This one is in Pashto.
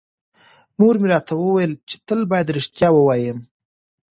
مور مې راته وویل چې تل بايد رښتیا ووایم.